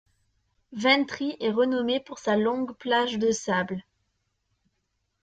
Ventry est renommé pour sa longue plage de sable.